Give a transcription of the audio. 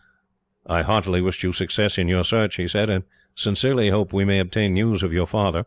"I heartily wish you success in your search," he said, "and sincerely hope we may obtain news of your father.